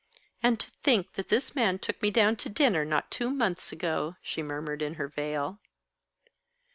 "And to think that this man took me down to dinner not two months ago!" she murmured in her veil.